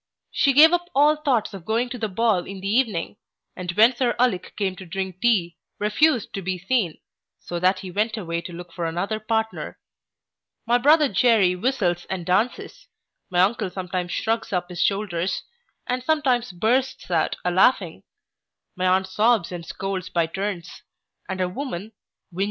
She gave up all thoughts of going to the ball in the evening; and when Sir Ulic came to drink tea, refused to be seen; so that he went away to look for another partner. My brother Jery whistles and dances. My uncle sometimes shrugs up his shoulders, and sometimes bursts out a laughing. My aunt sobs and scolds by turns; and her woman, Win.